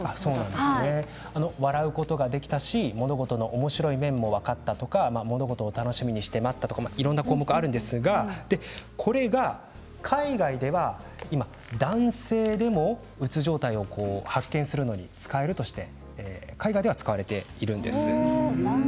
笑うことができたとか物事のおもしろい面も分かったとか物事を楽しみにして待ったとかいろんな項目があるんですがこれが海外では今、男性でもうつ状態を発見するのに使えるとして海外では使われているんです。